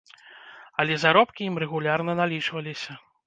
Але заробкі ім рэгулярна налічваліся.